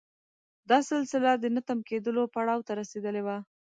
دا سلسله د نه تم کېدلو پړاو ته رسېدلې وه.